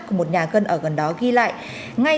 của một nhà cân ở gần đó ghi lại